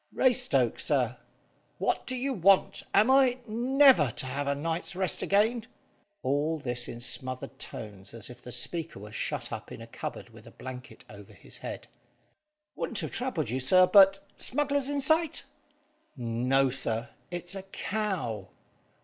"Raystoke, sir." "What do you want? Am I never to have a night's rest again?" All this in smothered tones, as if the speaker was shut up in a cupboard with a blanket over his head. "Wouldn't have troubled you, sir, but " "Smugglers in sight?" "No, sir; it's a cow."